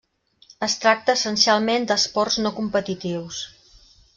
Es tracta essencialment d'esports no competitius.